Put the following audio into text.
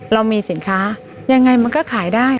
เรามีสินค้ายังไงมันก็ขายได้